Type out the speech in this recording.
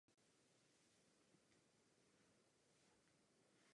Měl charakteristicky vysokou lebku a velmi krátké přední končetiny.